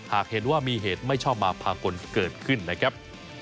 หากเห็นว่ามีเหตุไม่ชอบมาพากลเกิดขึ้นนะครับ